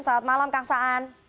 selamat malam kang saan